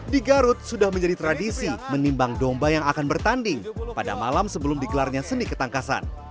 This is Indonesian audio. di garut sudah menjadi tradisi menimbang domba yang akan bertanding pada malam sebelum digelarnya seni ketangkasan